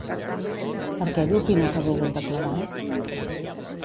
Per què diu Pino que ha volgut declarar?